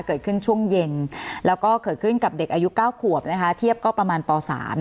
เกิดขึ้นช่วงเย็นแล้วก็เกิดขึ้นกับเด็กอายุ๙ขวบนะคะเทียบก็ประมาณป๓